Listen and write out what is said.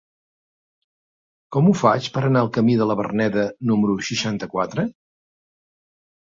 Com ho faig per anar al camí de la Verneda número seixanta-quatre?